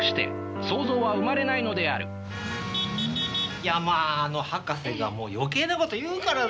いやまあ博士がもう余計なこと言うからさ